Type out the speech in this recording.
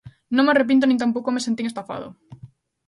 Non me arrepinto nin tampouco me sentín estafado.